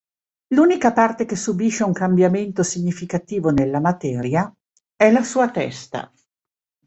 L'unica parte che subisce un cambiamento significativo nella materia è la sua testa.